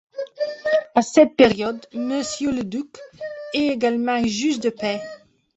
À cette période, monsieur Leduc est également juge de paix.